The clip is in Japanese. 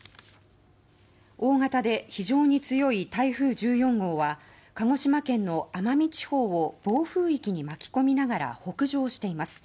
大型で非常に強い台風１４号は鹿児島県の奄美地方を暴風域に巻き込みながら北上しています。